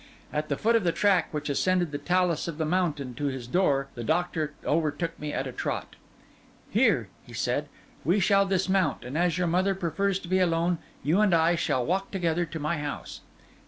At the foot of the track which ascended the talus of the mountain to his door, the doctor overtook me at a trot. 'Here,' he said, 'we shall dismount; and as your mother prefers to be alone, you and I shall walk together to my house.